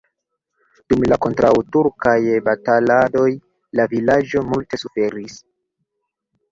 Dum la kontraŭturkaj bataladoj la vilaĝo multe suferis.